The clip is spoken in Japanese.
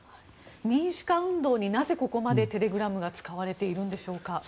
民主化運動になぜここまでテレグラムが使われているんでしょうか。